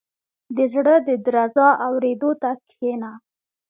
• د زړه د درزا اورېدو ته کښېنه.